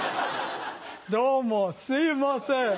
どうもすいません。